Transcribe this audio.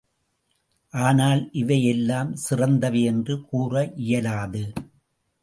ஆனால், இவை எல்லாம் சிறந்தவை என்று கூற இயலாது.